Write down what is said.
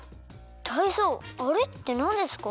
タイゾウあれってなんですか？